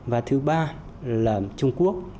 và thứ ba là trung quốc